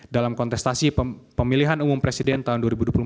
dalam kontestasi pemilihan umum presiden tahun dua ribu dua puluh empat